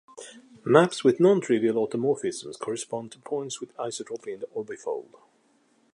Maps with nontrivial automorphisms correspond to points with isotropy in the orbifold.